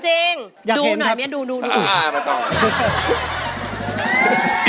ที่เจอกันซิกแพ็คอยู่ตอนนี้